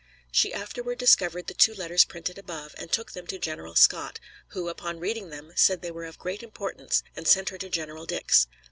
She afterward discovered the two letters printed above, and took them to General Scott, who, upon reading them, said they were of great importance, and sent her to General Dix.